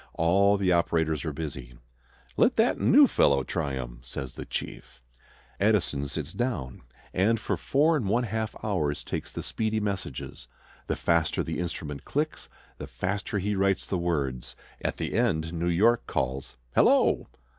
All the operators are busy. "Let that new fellow try him," says the chief. Edison sits down and for four and one half hours takes the speedy messages. The faster the instrument clicks, the faster he writes the words. At the end New York calls: "Hello!"